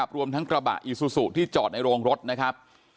รวมทั้งกระบะอีซูซูที่จอดในโรงรถนะครับ